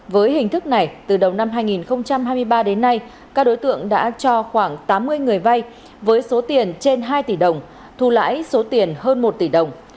với hình thức này từ đầu năm hai nghìn hai mươi ba đến nay các đối tượng đã cho khoảng tám mươi người vay với số tiền trên hai tỷ đồng thu lãi số tiền hơn một tỷ đồng